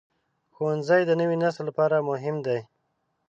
ښوونځی د نوي نسل لپاره مهم دی.